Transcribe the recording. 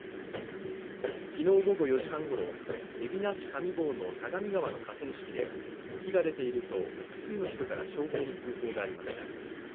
昨日午後４時半ごろ海老名市上郷の相模川の河川敷で火が出ていると複数の人から消防に通報がありました。